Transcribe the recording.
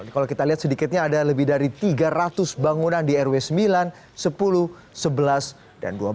kalau kita lihat sedikitnya ada lebih dari tiga ratus bangunan di rw sembilan sepuluh sebelas dan dua belas